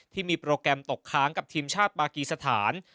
ที่มีโปรแกรมตกค้างกับทีมชาติปากีสถาน